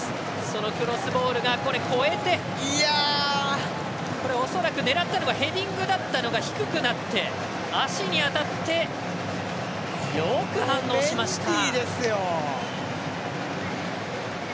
そのクロスボールが越えて恐らく狙ったのはヘディングだったのが低くなって足に当たってよく反応しました。